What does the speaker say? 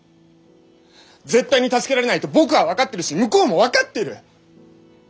絶対に助けられないと僕は分かっているし向こうも分かってる！